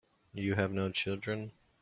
You have no children.